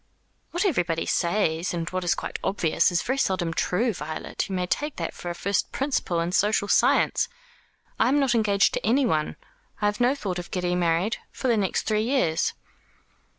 "What everybody says, and what is quite obvious, is very seldom true, Violet. You may take that for a first principle in social science. I am not engaged to anyone. I have no thought of getting married for the next three years."